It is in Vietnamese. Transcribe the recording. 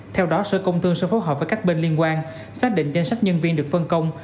theo đó sở công thương sẽ phối hợp với các bên liên quan xác định danh sách nhân viên được phân công